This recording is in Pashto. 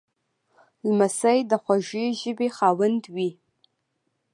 لمسی د خوږې ژبې خاوند وي.